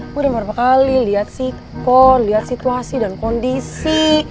gue udah beberapa kali liat sikon liat situasi dan kondisi